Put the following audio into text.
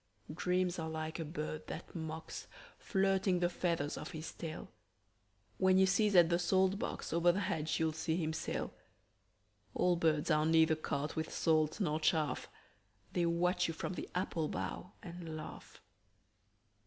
Dreams are like a bird that mocks, Flirting the feathers of his tail. When you sieze at the salt box, Over the hedge you'll see him sail. Old birds are neither caught with salt nor chaff: They watch you from the apple bough and laugh.